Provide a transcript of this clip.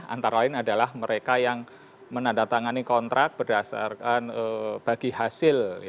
antara lain adalah mereka yang menandatangani kontrak berdasarkan bagi hasil